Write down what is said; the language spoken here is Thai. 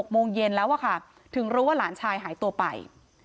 โมงเย็นแล้วค่ะถึงรู้ว่าหลานชายหายตัวไป